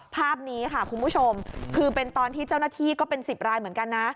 ภาพนี้ค่ะคุณผู้ชมคือเป็นตอนที่เจ้าหน้าที่ก็เป็น๑๐รายเหมือนกันนะ